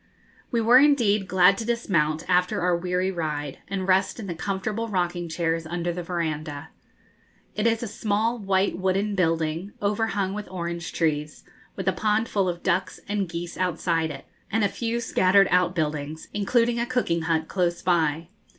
We were indeed glad to dismount after our weary ride, and rest in the comfortable rocking chairs under the verandah. It is a small white wooden building, overhung with orange trees, with a pond full of ducks and geese outside it, and a few scattered outbuildings, including a cooking hut, close by.